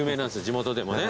地元でもね。